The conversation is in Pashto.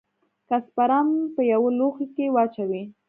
که سپرم په يوه لوښي کښې واچوې.